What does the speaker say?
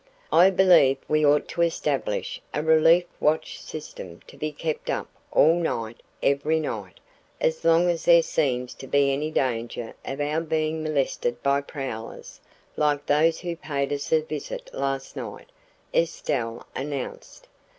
"I believe we ought to establish a relief watch system to be kept up all night every night as long as there seems to be any danger of our being molested by prowlers like those who paid us a visit last night," Estelle announced.